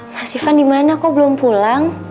mas ivan dimana kok belum pulang